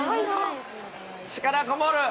力こもる。